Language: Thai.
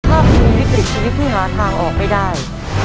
ถ้าคุณมีวิกฤตชีวิตที่หาทางออกไม่ได้